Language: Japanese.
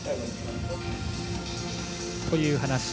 という話。